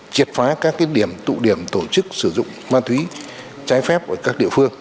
triệt phá các điểm tụ điểm tổ chức sử dụng ma túy trái phép ở các địa phương